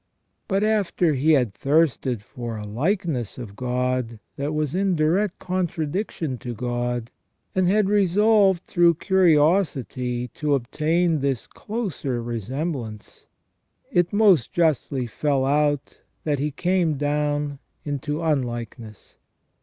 But after he had thirsted for a likeness of God that was in direct contradiction to God, and had resolved through curiosity to obtain this closer resemblance, it most justly fell out that he came down into unlikeness.